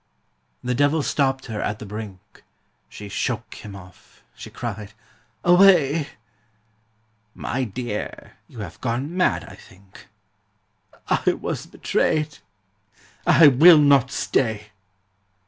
The devil stopped her at the brink: She shook him off; she cried, 'Away!' 'My dear, you have gone mad, I think.' 'I was betrayed: I will not stay.'